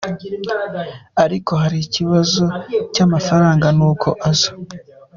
Ariko hari ikibazo cy’amafaranga n’uko aza.